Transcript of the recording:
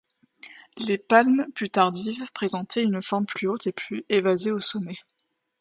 Les palmes, plus tardives, présentaient une forme plus haute et plus évasée au sommet.